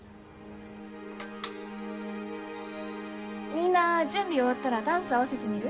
みんな準備終わったらダンス合わせてみる？